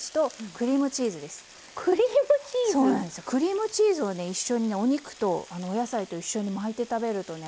クリームチーズを一緒にお肉とお野菜と一緒に巻いて食べるとね